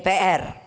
datang ke dpr